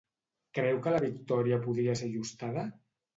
Creu que la victòria podria ser ajustada?